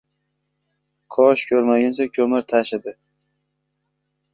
Inson ijtimoiy, davlat manfaatlariga qanchalik keng naf keltirsa, u shunchalik kamolotga yetishgan bo‘ladi.